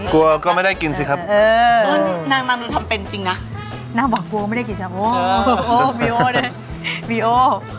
กลัวก็ไม่ได้กินสิครับเออนางนางดูทำเป็นจริงน่ะนางบอกกลัวก็ไม่ได้กินสิครับโอ้โอ้โอ้มีโอ้เลยมีโอ้